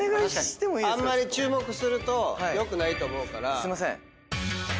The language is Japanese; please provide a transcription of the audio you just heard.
あんまり注目するとよくないと思うから。